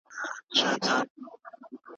سياستپوهان د واکمنانو د کړنو پايلې څاري.